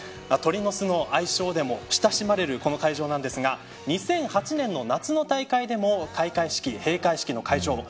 鳥の巣の愛称でも親しまれるこの会場ですが２００８年の夏の大会でも開会式、閉会式の会場